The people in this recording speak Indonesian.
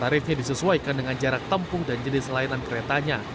tarifnya disesuaikan dengan jarak tempuh dan jenis layanan keretanya